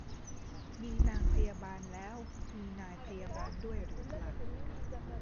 มีนางพยาบาลแล้วมีนายพยาบาลด้วยหรือเปล่า